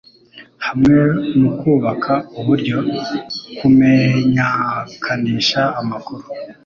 hamwe mu kubaka uburyo kumenyakanisha amakuru